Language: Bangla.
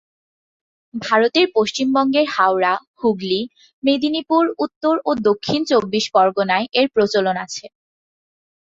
ভারতের পশ্চিমবঙ্গের হাওড়া, হুগলি, মেদিনীপুর, উত্তর ও দক্ষিণ চব্বিশ পরগনায় এর প্রচলন আছে।